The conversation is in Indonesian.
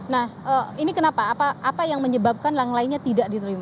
nah ini kenapa apa yang menyebabkan yang lainnya tidak diterima